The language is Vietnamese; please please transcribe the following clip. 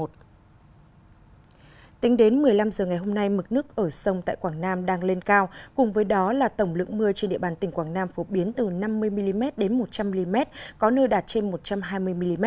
tính đến một mươi năm h ngày hôm nay mực nước ở sông tại quảng nam đang lên cao cùng với đó là tổng lượng mưa trên địa bàn tỉnh quảng nam phổ biến từ năm mươi mm đến một trăm linh mm có nơi đạt trên một trăm hai mươi mm